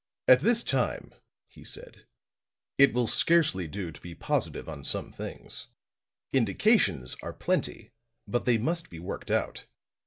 "At this time," he said, "it will scarcely do to be positive on some things. Indications are plenty, but they must be worked out.